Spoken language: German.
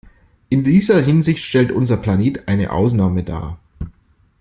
In dieser Hinsicht stellt unser Planet eine Ausnahme dar.